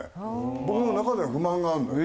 僕の中では不満があるのよ。